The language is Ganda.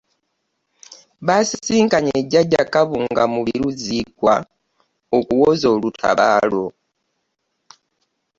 Baasisinkanye Jjajja Gabunga Mubiru Zziikwa, okuwoza olutabaalo.